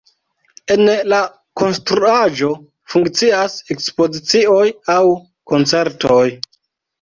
En la konstruaĵo funkcias ekspozicioj aŭ koncertoj.